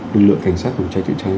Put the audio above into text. lực lượng cảnh sát phòng cháy chạy cháy